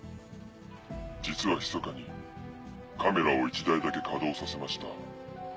実はひそかにカメラを１台だけ稼働させました。